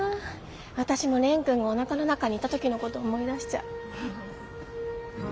私も蓮くんがおなかの中にいた時のこと思い出しちゃう。